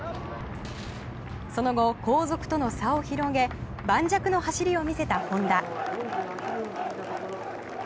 その後、後続との差を広げ盤石の走りを見せたホンダ。